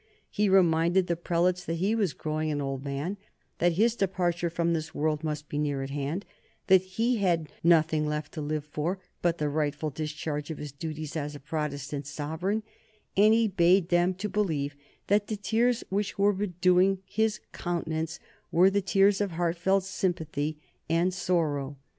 He reminded the prelates that he was growing an old man, that his departure from this world must be near at hand, that he had nothing left now to live for but the rightful discharge of his duties as a Protestant sovereign, and he bade them to believe that the tears which were bedewing his countenance were the tears of heartfelt sympathy and sorrow.